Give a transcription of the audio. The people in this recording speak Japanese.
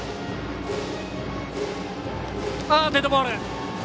デッドボール。